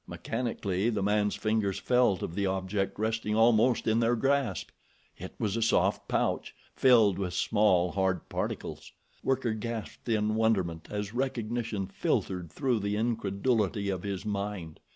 Mechanically the man's fingers felt of the object resting almost in their grasp—it was a soft pouch, filled with small, hard particles. Werper gasped in wonderment as recognition filtered through the incredulity of his mind.